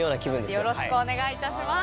よろしくお願いします！